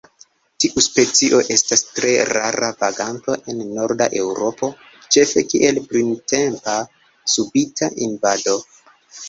Tiu specio estas tre rara vaganto en norda Eŭropo, ĉefe kiel printempa subita invado.